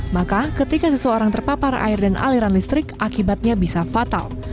maka ketika seseorang terpapar air dan aliran listrik akibatnya bisa fatal